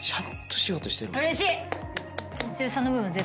うれしい！